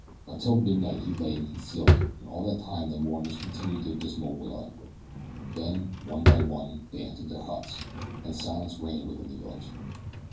Until midnight he lay in concealment and all that time the mourners continued their dismal wailing. Then, one by one, they entered their huts, and silence reigned within the village.